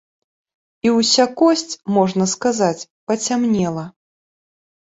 І ўся косць, можна сказаць, пацямнела.